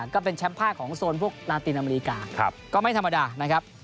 ก็เป็นแชมป์ภาคของโซนพวกนาตินอเมริกาก็ไม่ธรรมดานะครับ